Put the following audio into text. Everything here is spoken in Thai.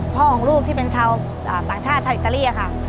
ของลูกที่เป็นชาวต่างชาติชาวอิตาลีค่ะ